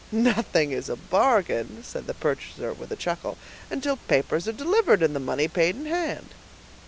"Nothing is a bargain," said the purchaser, with a chuckle, "until papers are delivered, and the money paid in hand."